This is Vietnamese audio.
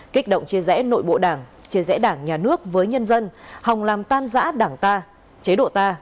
kích động chia rẽ nội bộ đảng chia rẽ đảng nhà nước với nhân dân hòng làm tan giã đảng ta chế độ ta